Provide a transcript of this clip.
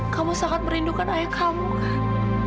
kamu sangat merindukan ayah kamu kan